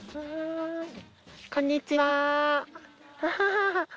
こんにちは。